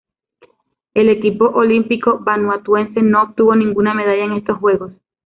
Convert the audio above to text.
El equipo olímpico vanuatuense no obtuvo ninguna medalla en estos Juegos.